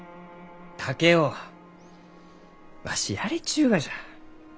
竹雄わしやれちゅうがじゃ。